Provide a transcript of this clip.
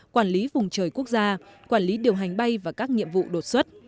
quản lý vùng trời quốc gia quản lý điều hành bay và các nhiệm vụ đột xuất